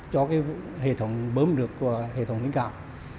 cho hệ thống bơm nước của hệ thống linh cảm